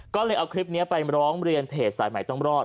ก็เลยเอาคลิปนี้ไปร้องเรียนเพจสายใหม่ต้องรอด